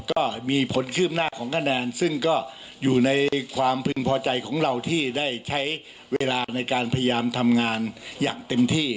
ก็มีความคืบหน้าของคะแนนซึ่งก็อยู่ในความพึงพอใจของเราที่ได้ใช้เวลาในการพยายามทำงานอย่างเต็มที่